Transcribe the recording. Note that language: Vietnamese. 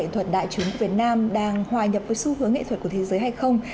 nghệ thuật đại chúng của việt nam đang hòa nhập với xu hướng nghệ thuật của thế giới hay không